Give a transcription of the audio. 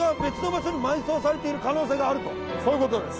そういうことです。